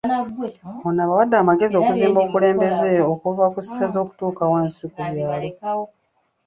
Ono abawadde amagezi okuzimba obukulembeze okuva ku ssaza okutuuka wansi ku byalo